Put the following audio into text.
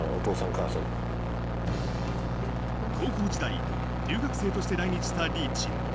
高校時代、留学生として来日したリーチ。